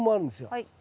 はい。